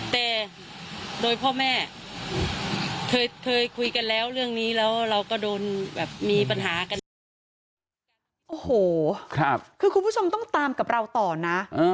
แต่โดยพ่อแม่เธอคุยกันแล้วเรื่องนี้แล้วเราก็โดนแบบมีปัญหากัน